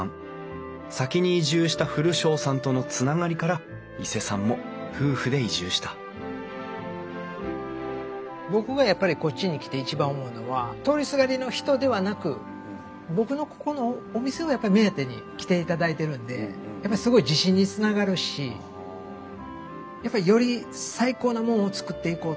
先に移住した古荘さんとのつながりから伊勢さんも夫婦で移住した僕がやっぱりこっちに来て一番思うのは通りすがりの人ではなく僕のここのお店をやっぱり目当てに来ていただいてるんでやっぱりすごい自信につながるしやっぱりより最高なものを作っていこうと。